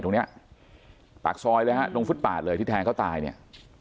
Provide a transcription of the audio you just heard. ตรงเนี้ยปากซอยเลยฮะตรงฟุตปาดเลยที่แทงเขาตายเนี่ย